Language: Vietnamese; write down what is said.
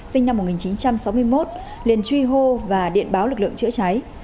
sinh năm một nghìn chín trăm sáu mươi một liền truy hô và điện báo lực lượng chữa cháy